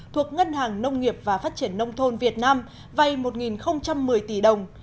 thuộc ngân hàng nông nghiệp và phát triển nông thôn việt nam vay một một mươi tỷ đồng